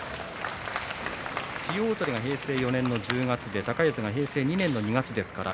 千代鳳は平成４年の１０月で高安が平成２年です。